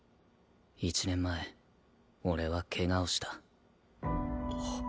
１年前俺は怪我をした。